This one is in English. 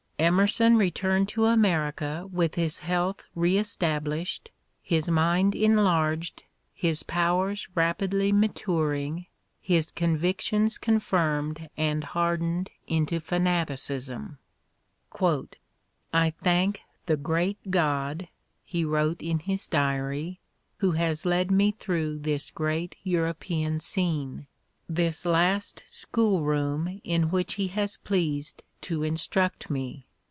Emerson returned to America with his health re established, his mind enlarged, his powers rapidly maturing, his convictions confirmed and hardened into fanaticism : I thank the Great God [he wrote in his diaiy] who has led me through this great European scene, this last school room in which He has pleased to instruct me.